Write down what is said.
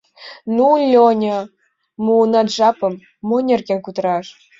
— Ну, Лёня, муынат жапым — мо нерген кутыраш...